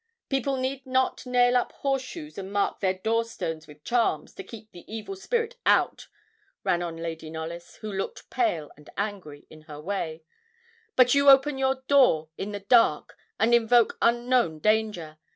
'People need not nail up horseshoes and mark their door stones with charms to keep the evil spirit out,' ran on Lady Knollys, who looked pale and angry, in her way, 'but you open your door in the dark and invoke unknown danger.